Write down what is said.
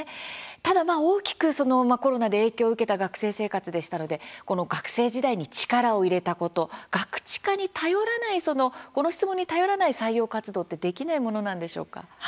ただ、大きくコロナで影響を受けた学生生活でしたのでこの学生時代に力を入れたことガクチカに頼らないこの質問に頼らない採用活動ってできないものなんでしょうか？